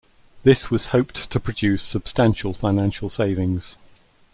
This was hoped to produce substantial financial savings.